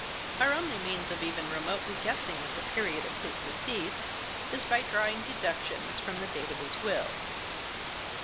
Our only means of even remotely guessing at the period of his decease is by drawing deductions from the date of his will."